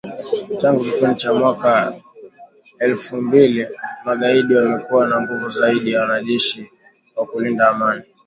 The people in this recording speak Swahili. Tangu kipindi cha mwaka elfu mbili, magaidi wamekuwa na nguvu zaidi ya wanajeshi wa kulinda amani